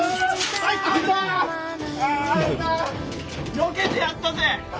よけてやったぜ！